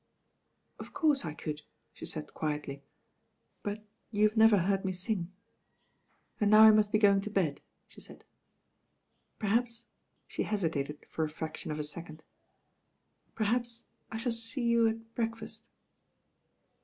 "Of course I could," she said quietly, "but you've never heard me sing, and now I must be going to bed," she said. "Perhaps " she hesitated for ft fraction of a second. "Perhaps I shall see you at breakfast."